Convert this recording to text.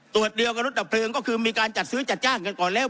ตัวเดียวกับรถดับเพลิงก็คือมีการจัดซื้อจัดจ้างกันก่อนแล้ว